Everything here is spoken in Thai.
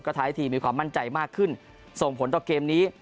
ท้ายทีมมีความมั่นใจมากขึ้นส่งผลต่อเกมนี้